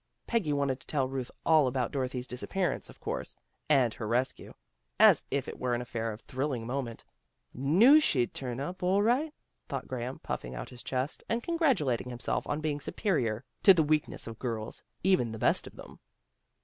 Peggy wanted to tell Ruth all about Dorothy's disappearance, of course, and her rescue, as if it were an affair of thrilling moment. " Knew she'd turn up, all right," thought Graham, puffing out his chest, and congratulating himself on being superior to the weakness of girls, even the best of them.